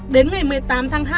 đến ngày một mươi tám tháng hai